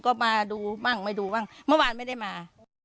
ก็มาดูบ้างไม่ดูบ้างเมื่อวานไม่ได้มา